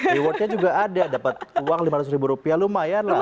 rewardnya juga ada dapat uang lima ratus ribu rupiah lumayan lah